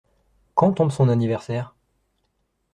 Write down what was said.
Quand tombe son anniversaire ?